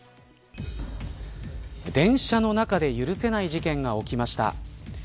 電車の中で許せない事件が起きました。